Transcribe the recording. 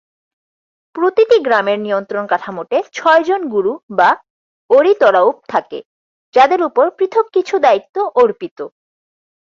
প্রতিটি গ্রামের নিয়ন্ত্রণ কাঠামোতে ছয়জন গুরু বা অরি-তরাউপ থাকে; যাদের উপর পৃথক কিছু দায়িত্ব অর্পিত।